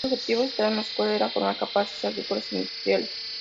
El objetivo de esta escuela era formar capataces agrícolas e industriales.